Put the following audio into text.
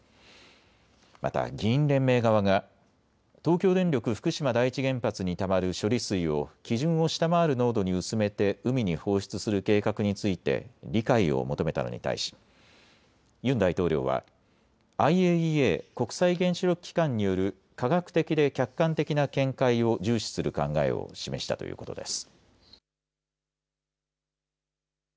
また議員連盟側が東京電力福島第一原発にたまる処理水を基準を下回る濃度に薄めて海に放出する計画について理解を求めたのに対し、ユン大統領はＩＡＥＡ・国際原子力機関による科学的で客観的な見解を重視する考えを示したということです。